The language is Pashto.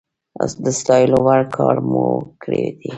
د ستايلو وړ کار مو کړی دی